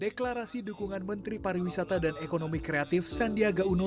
deklarasi dukungan menteri pariwisata dan ekonomi kreatif sandiaga uno